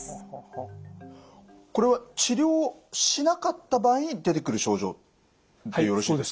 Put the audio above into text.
これは治療しなかった場合に出てくる症状でよろしいですか？